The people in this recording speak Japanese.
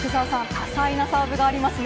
多彩なサーブがありますね。